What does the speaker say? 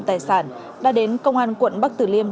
tài sản đã đến công an quận bắc tử liêm